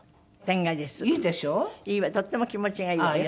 とっても気持ちがいいわよ。